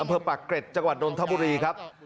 อำเภิกป่าเกร็จจังหวัดดนท์ธับปุฬีครับ